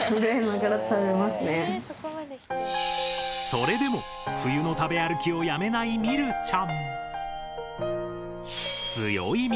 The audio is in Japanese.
それでも冬の食べ歩きをやめない美瑠ちゃん！